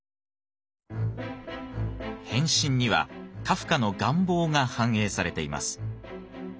「変身」にはカフカの願望が反映されています。